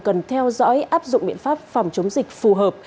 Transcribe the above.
cần theo dõi áp dụng biện pháp phòng chống dịch phù hợp